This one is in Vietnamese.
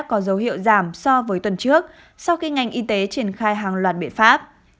có dấu hiệu giảm so với tuần trước sau khi ngành y tế triển khai hàng loạt biện pháp